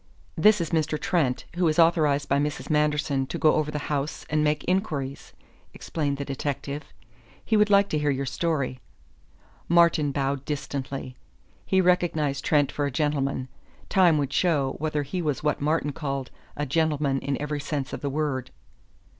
"This is Mr. Trent, who is authorized by Mrs. Manderson to go over the house and make inquiries," explained the detective. "He would like to hear your story." Martin bowed distantly. He recognized Trent for a gentleman. Time would show whether he was what Martin called a gentleman in every sense of the word.